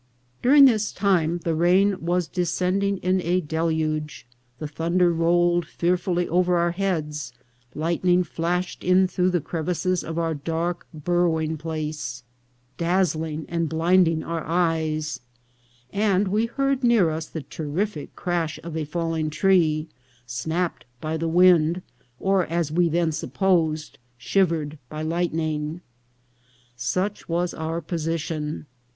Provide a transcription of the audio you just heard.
During this time the rain was descending in a deluge ; the thunder rolled fearfully over our heads; lightning flashed in through the crevices of our dark burrowing place, daz zling and blinding our eyes; and we heard near us the terrific crash of a falling tree, snapped by the wind, or, as we then supposed, shivered by lightning. Such was our position.